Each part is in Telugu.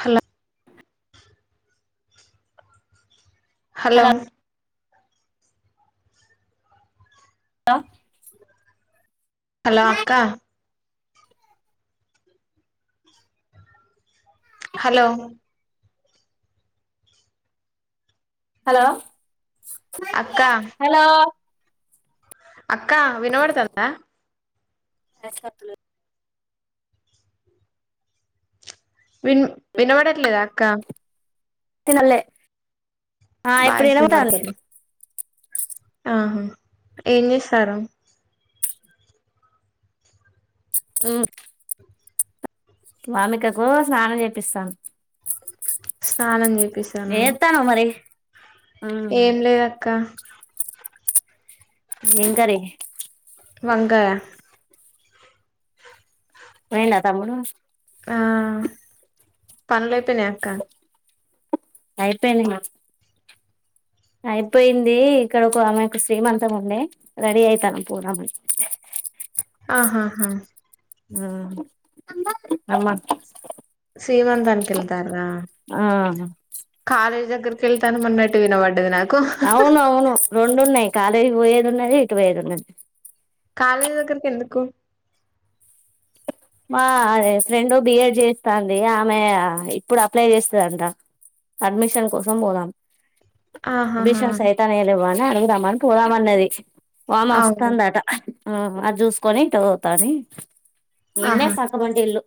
హలో హలో ఆ హలో అక్క హలో హలో హలో అక్కా వినబడతందా ఆ సతులు విన్ వినపడట్లేదా అక్క తినలే ఆ ఇప్పుడు వినబడుతుంది ఆహా ఏం చేస్తారు మ్ వామికకు స్నానం చేపిస్తాను స్నానం చేపిసాను ఏత్తన్నావ్ మరి ఏం లేదక్క ఏ కర్రీ వగాయా పోయిండా తముడు ఆ పనులైపోయినా అక్క అయిపోయినాయి అయిపోయింది ఇక్కడ ఒక ఆమె ఇక్కడ శ్రీమంతం ఉండే రెడీ అయితానం పోదాం అన్ని ఆహాహా ఆ అమ్మ శ్రీమంతానికి వెళ్తారా ఆ వెళ్తామన్నట్టు వినపడ్డది నాకు అవున అవును రెండు ఉన్నాయి కాలేజ్ పోయేది ఉన్నది ఇటు పోయేది ఉన్నది కాలేజీ దగ్గరకి ఎందుకు మా ఫ్రెండ్ బిఎడ్ చేస్తాంది ఆమె ఇప్పుడు అప్లై చేస్తుందింట అడ్మిషన్ కోసం పోదాం ఆహాహా బిషంస్ అైతనే లేవ్వ అని అడుగుదామ అని పోదామన్నది బమ్ అవును వస్తుందట అది చూసుకొని ఇటు పోతది నిన్నే ఆహా సద్దాంఅంటి ఇల్లు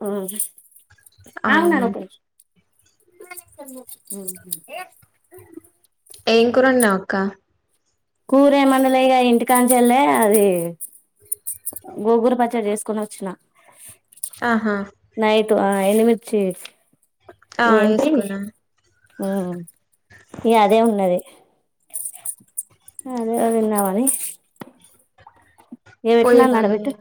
అవును అవున్నాపే ఏం కూర వండినావు అక్క కూరేమందులేక ఇంటికాంచల్లే అది గోంగూర పచ్చడి చేసుకుొని వచ్చిన ఆహా నైట్ ఆ ఎండుమిర్చి ఆ ఏంపి వేసుకున్నా మ్ ఇగ అదే ఉన్నది అదే తిందాం అన్ని ఏ పెట్టు నాన్న అడా పోయినాన్నే పెట్టు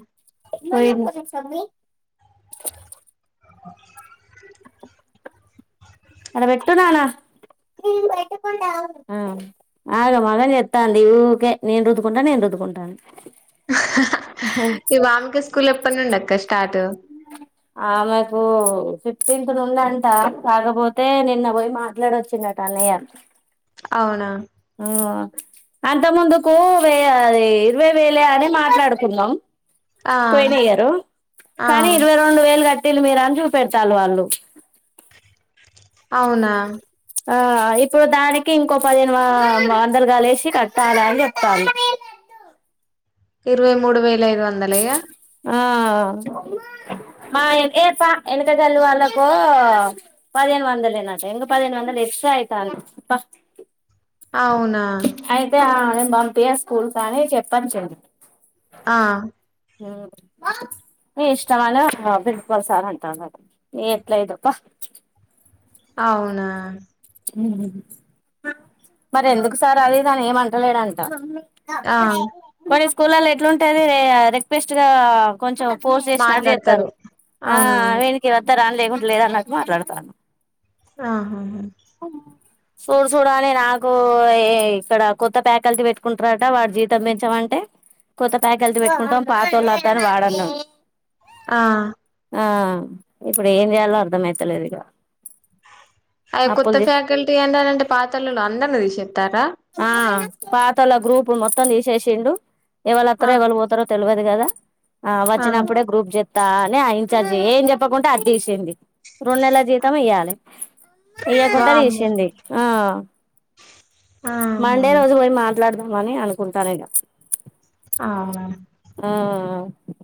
అంట వెెట్టన్నాణ ఆ ఆగమాగం చేతంది ఊకే నేను రుద్కుంటా నేను రద్ రుద్దుకుంటానని ఈ వామిక స్కూల్ ఎప్పటి నుండి అక్క స్టార్ట్ ఆ మాకు ఫిఫ్టీన్త్ నుండి అంట కాకపోతే నిన్న పోయి మాట్లాడ వచ్చినట అన్నయ్య అవునా అంత ముందుకు వ ఇరవై వేలే అని మాట్లాడుకుందాం ఆ పోయినియారు ఆ కానీ ఇరవై రెండు వే లు గట్టిలు మీరు అని చూపెడతాన్రు వాళ్ళు అవునా ఆ ఇప్పుడు దానికి ఇంకో పదిహేను వందలు కలిసి కట్టాలి అని చెప్పిను ఇరవై మూడు వేల ఐదు వందలేయ్యా ఆ మా ఎ ప వెనక చల్ వాళ్ళకు పదిహేను వన్ వందలే అట ఇంక పదిహేనువందలు ఎక్సట్రా ఐతాన్నా ప్ప అవునా పంపియ్ ఆ స్కూల్ కానీ చెప్పచిన్ ఆ హ మీ ఇష్టమని ప్రిన్సిపల్ సార్ ఏంటండు ఎట్లయితేదో పా అవునా మరి ఎందుకు సార్ అది తాను ఏమంటలేడంట ఆ పోనీ స్కూల్ల్లో ఎట్లుంటాది రిక్వెస్ట్గా కొంచెం ఫోర్స్ చేసిన మాట్లాడతారు చేత్తరు ఆ అవునవును వీనికి వత్తరా అని లేకుంటే లేదన్నటు మాట్లాడతాను ఆహా అ చూడు చూడ అని నాకు ఇక్కడ కొత్త ఫాకల్టీ పెట్టుకుంటారట వాడు జీవితం పెంచామంటే కొత్త ఫాకల్టీ పెట్టుకుంటాం పాతోళ్ళద్దా అని వాడన్నాం ఆ ఆ ఇప్పుడు ఏం చేయాలో అర్ధమైతలేదిగా అయ కొత్త ఫ్యాకల్టీ ఏంటంటే పాతళులు అందర్నీ తీసిస్తారా పాతోలా గ్రూపు మొత్తం తీసేసిండు ఆ ఎవలస్తారో ఎవరు పోతారో తెలియదు కదా ఆ వచ్చినప్పుడే గ్రూప్ జ అని ఆ ఇంచార్జి ఏం చెప్పకుండా అది తీసింది రెండు నెల జీతం ఇయ్యాలే తీయకుండా వామ్మో తీసింది ఆ ఆహా మండే రోజు పోయి మా మాట్లాదమని అనుకుంటానుఇగ ఆ ఆ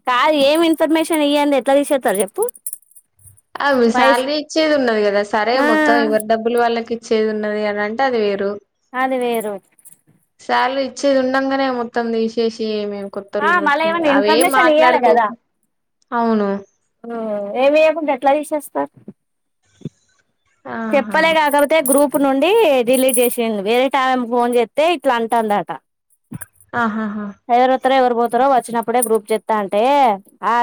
కాదు ఏమి ఇన్ఫర్మేషన్ ఇయ్యాందే ఎట్లా తీసేస్తారు చెప్పు ఔను పైస శాలరీ ఇచ్చేది ఉన్నది కదా సరే ఆ మొత్తం ఎవరి డబ్బులు వాళ్ళకి చేది ఉన్నది కదా అంటే అది వేరు అది వేరు అల్లు ఇచ్చేది ఉండగానే మొత్తం తీసేసి ఏమేం ఆ కొత్తలుడు మళ్ళ పెట్టుకుందీ ఏమన్నా అవేం ఇన్ఫర్మేషన్ ఇయ్యాలి మాట్లాడుకో కదా అవును ఏమి ఇయకుండా ఎట్లా తీసేస్తారు ఆహా చెప్పలే కాకపోతే గ్రూప్ గ్రూప్ నుండి డిలీట్ చేసింది వేరే టైమంకి ఫోన్ చేస్తే ఇట్లా అంటందట ఆహాహా ఎవరు పోతారో వచ్చినప్పుడే గ్రూప్ చెస్తా అంటే ఆ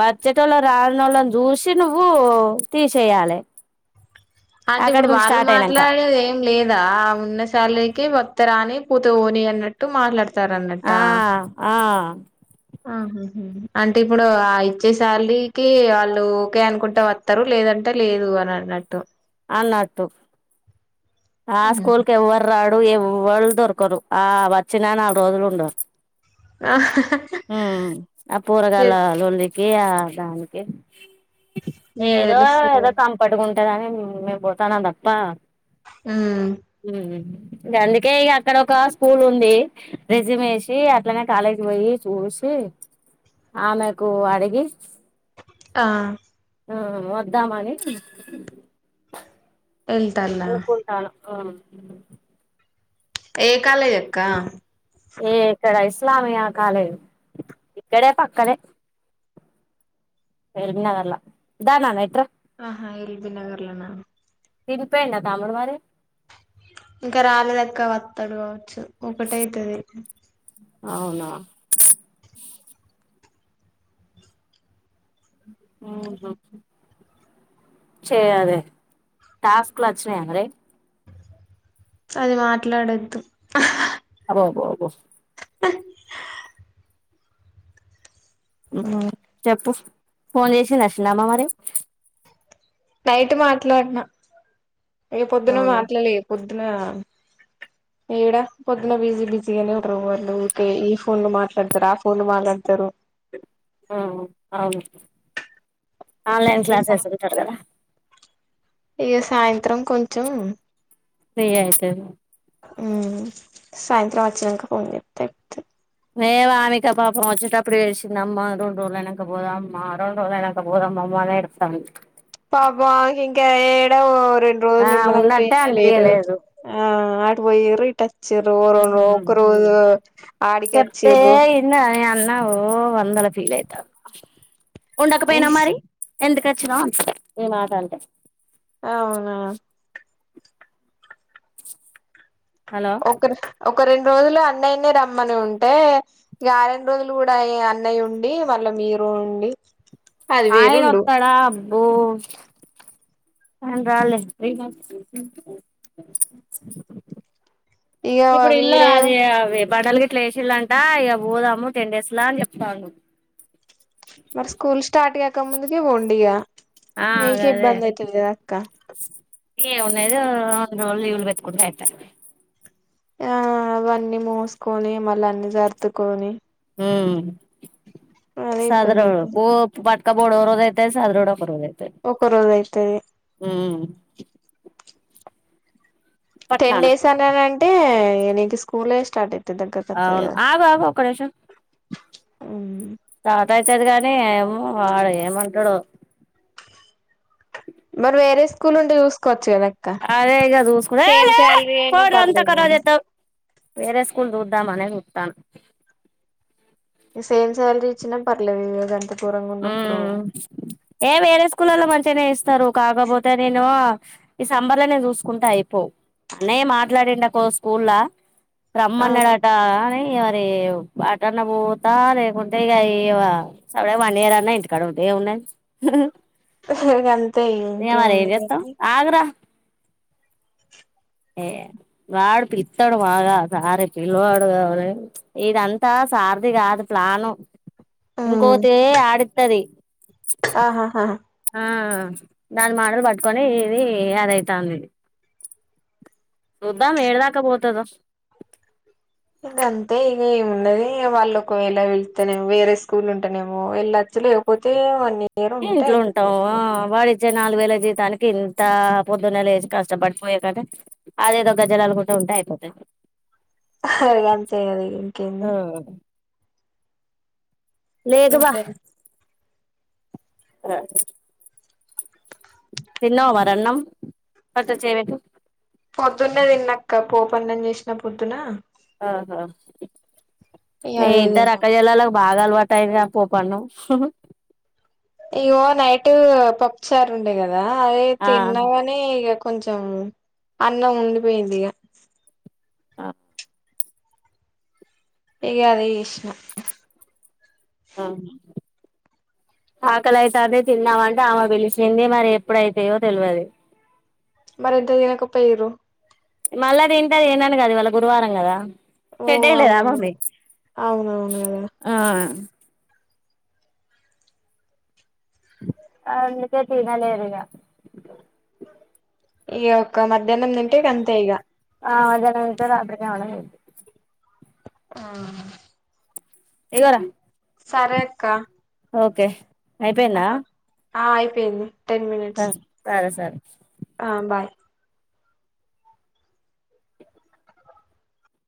వచ్చేటోలు రాన్నోళ జుసి నువ్వు తీసేయాలే అంటే ఇప్పుడు వాళ్ళు మాట్లాడేది ఏం లేదా ఉన్న సాలరీకి వత్తరాని పూ తోని అన్నట్టు ఆ మాట్లాడతారన్నటా ఆ ఆహహ అంటే ఇప్పుడు ఆ ఇచ్చేశాలారికి వాళ్ళు ఓకే అనుకుంటా వత్తరు లేదా టే లేదు అని అన్నట్టు అన్నట్టు ఆ స్కూల్ కి ఎవ్వరు రా డు ఎవళ దొరకరు ఆ వచ్చిన నాలుగు రోజులు ఉండరు. మ్ ఆ పోరగాల ఇగ లోల్లి ఏ ఆ దానికి ఏదో తెలుస్తది ఏదో కదా. చంపట్కు ఇక్కడనేని మేం పోతానా ప్పా ఆ గందుకే ఇగ అక్కడ ఒక స్కూల్ ఉంది రెజూమ్ వేసి అట్లనే కాలేజీ పోయి చూసి ఏ ఆమెకు అడిగి ఆ ఆ వద్దామని వెల్తాన్న ఆ ఏ కాలేజ్ అక్క? ఏ ఇక్కడ ఇస్లామియా కాలేజ్ ఇక్కడే పక్కనే ఎలబీనగరల్ల దానాన్న ఇత్ర ఆహా ఎల్బి నగర్ లోన్నా తిరుపెండ తమ్ముడు మరి ఇంకా రాలేదక్క వత్తాడు కావచ్చు ఒకటైతుది అవునా ఉహు చేయ అదే టాస్క్ లచ్చినయ్య మరి అది మాట్లాడొద్దు హ అబో బో బో అహ్ ఏం కావాలి చెప్పు ఫోన్ చేసి నచ్చినమా మరి నైట్ మాట్లాడిన ఏ పొద్దున అవునా మాట్లాలే పొద్దున ఏడ పొద్దున్న బిజీ బిజీగానే ఉంటరు వాళ్లు ఊకే ఈ ఫోన్లు మాట్లాడతారు ఆ ఫోన్లు మాట్లాడతారు. ఎ ఆ అవును ఆన్లైన్ ఇగ సా క్లాసెస్ వింటాడు కదా ఇగ సాయంత్రం కొంచెం ఫ్రీ అయితది మ్మ్ సాయంత్రం వచ్చనంక ఫోన్ చెప్ అ మేమామిక పాపం వచ్చెటప్పుడు వేసింది అమ్మా అ రెండు రోలైనాక పోదాం ఆమ్మ రెండు రోలైనాక పోదాం బాగా ఎడుస్తా పాపం ఆ ఇంకా ఎడవు రెండు రోజులు ఆ నిమ్మలంగర ఉన్నట్టే ఏనే లేరు అనిపియలేదు ఆ ఆడి పోయిరు ఇటు అచ్చిరు ఒకరు ఆడికి చెప్తే అచ్చిరు ఇన్నదా నేను అన్నా ఓ వందల ఫీల్ అయితాను ఉండకపోయినా మరి ఎందుకు వచ్చినా ఈ మాట అంటే అవునా హలో ఒకరి ఒకరిన్ రోజులు అన్నయ్యనే రమ్మని ఉంటే య రెండు రోజులు కూడా అన్నయ్య ఉండి మళ్ళా మీరు పోండి ఆయన వత్తడా అబ్బో ఆయన రాడులే ఇగ ఇప్పుడు ఇల్లా మీరే అది అవి బడలు గి క్లేషీల్ అంట ఇ పోదాము టెన్ డేస్ లా అని చెప్తాను మరి స్కూల్ స్టార్ట్ కాక ముందుకే పొండి ఇగ ఆ మీకే ఇబ్బంది అయితది కదా అక్క ఏం ఉన్నదో కొన్ని రోజులు లీవ్లు పెట్టుకుంటే అయిత ఆ అవన్నీ మూసుకొని మళ్ళా అన్ని జర్దుకొని ఉ అదే ఇబ్బంది సదరుడు అయితది ఊ పట్క బోడోరుడు ఒరోజు అయితై సదురుడు పరువ అయితే ఒక రోజు అయితది ఉమ్ టెన్ పట్నానా డేస్ అన్నానంటే ఇగ నీకు స్కూలే స్టార్ట్ అయి అవును ఆగు ఆగు ఒక్క నిమిషం అ స్టార్ట్ అయితది కానీ ఏమో వాడు ఏమంటడో మరి వేరే స్కూల్ ఉంటే చూసుకో అదే ఇగ సుస్ శాలరీ అయినా పర్లేదు కానీ వేరే స్కూల్ జూద్దాం అనే చూతాన సేమ్ శాలరీ ఇచ్చినా పర్లేదుదంత ఉ ఏ వేరే స్కూలల్లో మంచిగనే ఇస్ వస్తరు కాకపోతే నేను ఈ సంబర్ లో నేను చూసుకుంటా అయిపో అన్నయ్య మాట్లాడిండకో స్కూల్లా ఆ రమ్మన్నాడట అని రే అటన్న పోత లేకుంటే ఇగ యివా వన్ ఇయర్ అన్నా ఇంటికాడ ఉంటే ఎం ఉన్నది గంతే ఇగ మరి ఇంకేమున్నది ఏంజేస్తం కానీ ఆగ్రా ఏ వాడు పిలుత్తడు మగా సారె పిల్వడుగువ ఇద అంతా సార్ది కాదు ప్లాను ఇంకోతే ఆడిత్తది ఆహాహా ఆ దాని మాటలు పట్టుకొని ఇది అదైతాంది ఇది చూద్దాం ఏడదాకా పోతదో ఇంగ అంతే ఇంగ ఏమున్నది వాళ్ళు ఒకవేళ వెళ్తేనే వేరే స్కూల్ ఉంటనేమో ఎళ్ళ లేకపోతే అన్నీ ఇంట్లో ఉంటావు వా వాడి మధ్య నాలుగు వేల జీతానికి ఇంత పొద్దున్నే లేచి కష్టపడిపోయే కంటే అదేదో గజ్జలల్లుకుంట ఉంటే అయిపోతే ఇగ గంతే గద ఇంకేంది లేదు బ ఇంట్లోనే తిన్నావ మరి అన్నం పట్టు చేయ్ పెట్టు పొద్దున్నే తిన్నక్క పోపన్నం జేసిన పొద్దున ఆహ ఇగ మీ అదే ఇద్దరు తిన్నా అక్కజెల్లెల బాగా అలవాటయి పోపన్నం ఇగో నైట్ పప్పుచార్ ఉండే కదా అదే ఆ తిన్నవని ఇగ కొంచం అన్నం ఉండి పోయిందిగ అ ఇగ అదే విష్ను ఆ ఆకలైతాంది తిన్నామంటే ఆమె పిలిచింది మరి ఎప్పుడైతయో తెల్వది మరి ఎంత దినకపోఇరు మళ్ళా తింటా దినను కాదు ఇవాళ గురువారం గదా ఓ హడలేదా ఆ పాపని అవునవును అవునవును కదా ఆ ఆహ్ ఇంకోటి వినలేను ఇక. ఇగ ఒక్క మధ్యాహ్నం తింటే అంతే ఇగ. ఆహ్ మధ్యాహ్నం తింటే రాత్రికి అన్నం తినను. ఆహ్. ఇగోరా. సరే అక్క. ఓకే అయిపోయిందా. ఆహ్ అయిపోయింది. సరే సరే. ఆహ్ బాయ్.